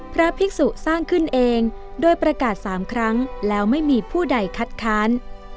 พระภิกษุสร้างขึ้นเองโดยประกาศ๓ครั้งแล้วไม่มีผู้ใดคัดค้าน